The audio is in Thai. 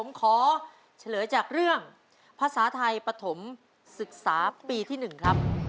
ผมขอเฉลยจากเรื่องภาษาไทยปฐมศึกษาปีที่๑ครับ